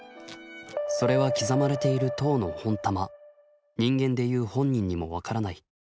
それは刻まれている当の本タマ人間で言う本人にも分からない。